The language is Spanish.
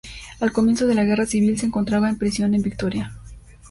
Al comienzo de la guerra civil se encontraba en prisión en Vitoria.